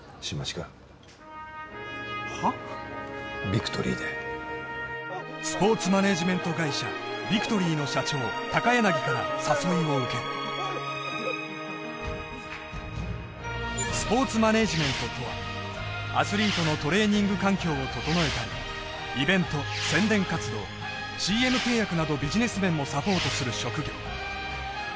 ビクトリーでスポーツマネージメント会社ビクトリーの社長高柳から誘いを受けるスポーツマネージメントとはアスリートのトレーニング環境を整えたりイベント宣伝活動ＣＭ契約などビジネス面もサポートする職業